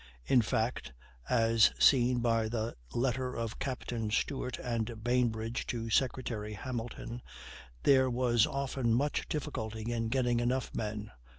In fact (as seen by the letter of Captains Stewart and Bainbridge to Secretary Hamilton), there was often much difficulty in getting enough men.